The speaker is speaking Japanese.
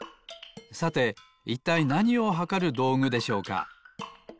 さていったいなにをはかるどうぐでしょうか？